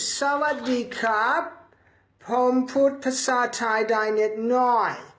สวัสดีครับผมพูดภาษาไทยได้นิดหน่อย